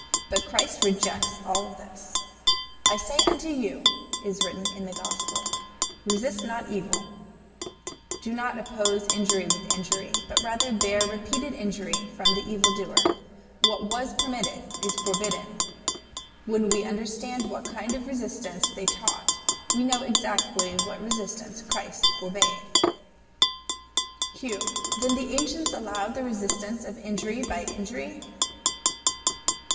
But Christ rejects all this. "I say unto you," is written in the Gospel, "resist not evil," do not oppose injury with injury, but rather bear repeated injury from the evil doer. What was permitted is forbidden. When we understand what kind of resistance they taught, we know exactly what resistance Christ forbade. Q. Then the ancients allowed the resistance of injury by injury?